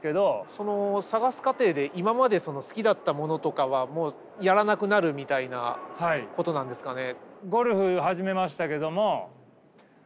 その探す過程で今までその好きだったものとかはもうやらなくなるみたいなことなんですかね？